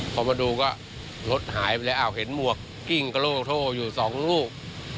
พอมาดูก็รถหายไปแล้วอ้าวเห็นหมวกกิ้งกระโลกโทอยู่สองลูก